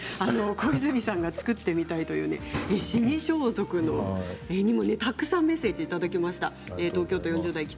小泉さんが作ってみたいという死に装束にも、たくさんメッセージをいただきました。